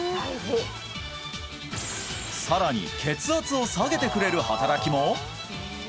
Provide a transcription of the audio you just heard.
さらに血圧を下げてくれる働きも！？